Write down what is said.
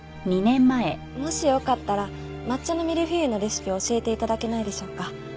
もしよかったら抹茶のミルフィーユのレシピを教えて頂けないでしょうか？